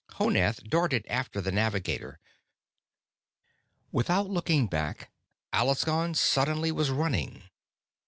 Honath darted after the navigator. Without looking back, Alaskon suddenly was running.